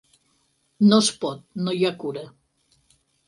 No es pot, no hi ha cura.